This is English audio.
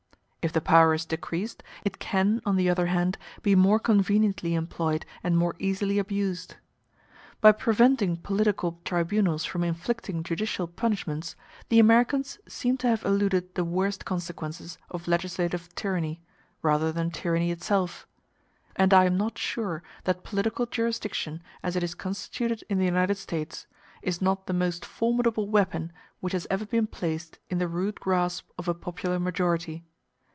If the power is decreased, it can, on the other hand, be more conveniently employed and more easily abused. By preventing political tribunals from inflicting judicial punishments the Americans seem to have eluded the worst consequences of legislative tyranny, rather than tyranny itself; and I am not sure that political jurisdiction, as it is constituted in the United States, is not the most formidable weapon which has ever been placed in the rude grasp of a popular majority.